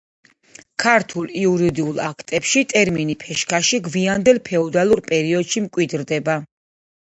ქართულ იურიდიულ აქტებში ტერმინი „ფეშქაში“ გვიანდელ ფეოდალურ პერიოდში მკვიდრდება.